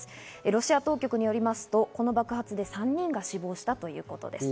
ロシア当局によりますと、この爆発で３人が死亡したということです。